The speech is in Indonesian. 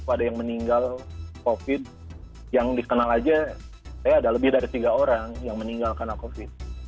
pada yang meninggal covid yang diskenal saja ya ada lebih dari tiga orang yang meninggal karena covid